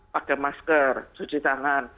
pakai masker cuci tangan